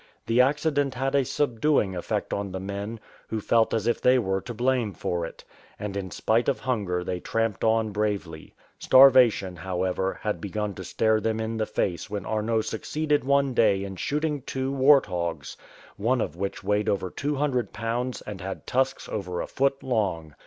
The accident had a subduing effect on the men, who felt as if they were to blame for it ; and in spite of hunger they tramped on bravely. Starvation, how ever, had begun to stare them in the face when Arnot succeeded one day in shooting two wart hogs, one of which weighed over SOO lb. and had tusks over a foot long.